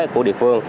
của địa phương